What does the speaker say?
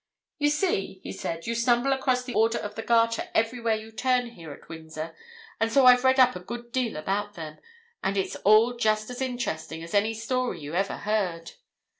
"You see," he said, "you stumble across the Order of the Garter everywhere you turn here at Windsor, and so I've read up a good deal about them, and it's all just as interesting as any story you ever heard.